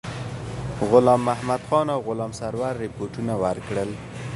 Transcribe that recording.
غلام محمدخان او غلام سرور رپوټونه ورکړل.